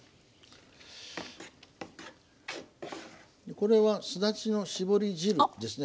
これはすだちの搾り汁ですね。